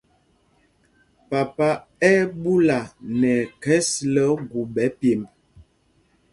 Papa ɛ́ ɛ́ ɓúla nɛ ɛkhɛs lɛ ogu ɓɛ pyemb.